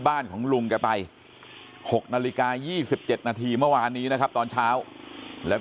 บ้านของลุงแกไป๖นาฬิกา๒๗นาทีเมื่อวานนี้นะครับตอนเช้าแล้วก็